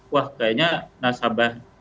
wah kayaknya nasabah